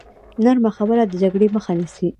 نرمه خبره د جګړې مخه نیسي.